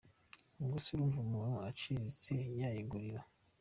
Ubwo se urumva umuntu uciriritse yayigurira